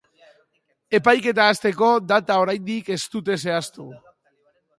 Epaiketa hasteko data oraindik ez dute zehaztu.